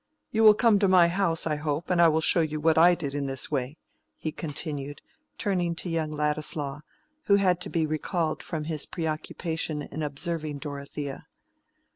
You will come to my house, I hope, and I will show you what I did in this way," he continued, turning to young Ladislaw, who had to be recalled from his preoccupation in observing Dorothea.